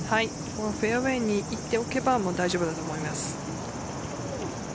フェアウエーに行っておけば大丈夫だと思います。